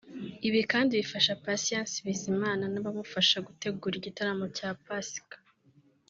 Ibi kandi bifasha Patient Bizimana n'abamufasha gutegura igitaramo cya Pasika